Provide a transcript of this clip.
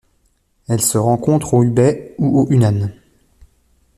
Elle se rencontre au Hubei et au Hunan.